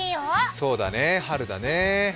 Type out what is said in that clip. そうだね、春だね。